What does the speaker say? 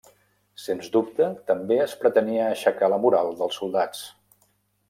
Sens dubte també es pretenia aixecar la moral dels soldats.